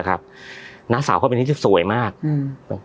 นะครับน้าสาวเขาเป็นที่สวยมากอืม